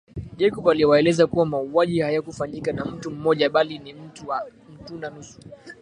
Jacob aliwaeleza kuwa mauaji hayakufanyika na mtu mmoja bali ni mt una nusu